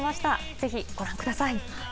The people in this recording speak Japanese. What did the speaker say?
ぜひご覧ください。